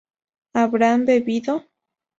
habrán bebido